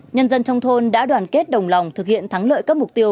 nhân dân trong thôn đã đoàn kết đồng lòng thực hiện thắng lợi các mục tiêu